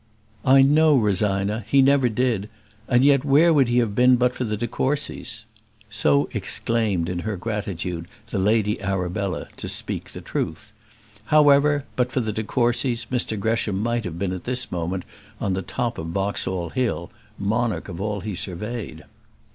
"I know, Rosina, he never did; and yet where would he have been but for the de Courcys?" So exclaimed, in her gratitude, the Lady Arabella; to speak the truth, however, but for the de Courcys, Mr Gresham might have been at this moment on the top of Boxall Hill, monarch of all he surveyed.